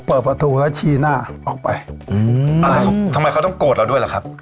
เปิดประตูแล้วชี้หน้าออกไปอืมอะไรทำไมเขาต้องโกรธเราด้วยล่ะครับ